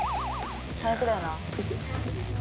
最悪だよな。